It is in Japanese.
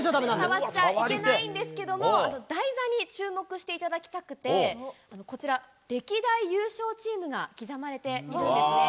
触っちゃいけないんですけども、台座に注目していただきたくて、こちら、歴代優勝チームが刻まれているんですね。